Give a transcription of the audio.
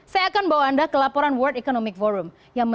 saya akan bawa anda ke laporan world economic forum